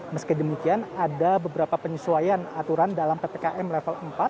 meski demikian ada beberapa penyesuaian aturan dalam ppkm level empat